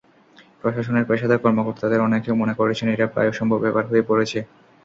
প্রশাসনের পেশাদার কর্মকর্তাদের অনেকেও মনে করছেন, এটা প্রায় অসম্ভব ব্যাপার হয়ে পড়েছে।